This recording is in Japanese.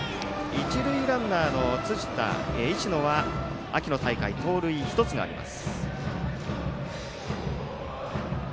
一塁ランナーの石野は秋の大会は盗塁が１つあります。